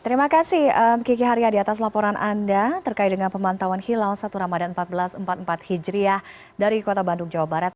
terima kasih kiki haryadi atas laporan anda terkait dengan pemantauan hilal satu ramadan seribu empat ratus empat puluh empat hijriah dari kota bandung jawa barat